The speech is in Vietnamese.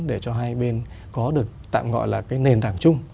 để cho hai bên có được tạm gọi là cái nền tảng chung